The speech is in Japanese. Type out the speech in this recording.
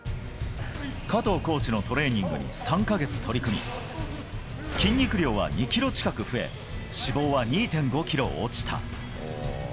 加藤コーチのトレーニングに３か月取り組み、筋肉量は２キロ近く増え、脂肪は２．５キロ落ちた。